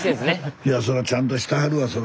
いやそらちゃんとしてはるわそら。